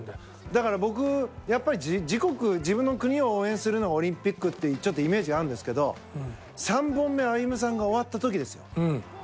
松岡：だから、僕、やっぱり自国、自分の国を応援するのがオリンピックってイメージがあるんですけど３本目歩夢さんが終わった時ですよ。